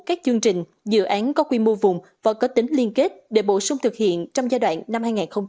các chương trình dự án có quy mô vùng và có tính liên kết để bổ sung thực hiện trong giai đoạn năm hai nghìn hai mươi một